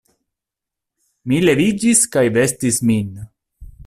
Mi leviĝis kaj vestis min.